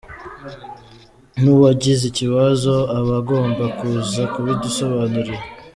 Nuwagize ikibazo aba agomba kuza kubidusobanurira.